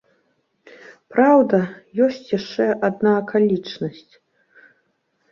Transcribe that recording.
Праўда, ёсць яшчэ адна акалічнасць.